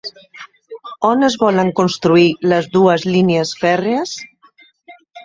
On es volen construir les dues línies fèrries?